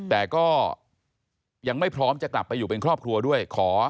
แต่ก็ยังไม่พร้อมจะกลับไปอยู่เป็นครอบครัวด้วย